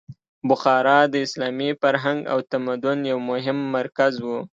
بخارا د اسلامي فرهنګ او تمدن یو مهم مرکز و.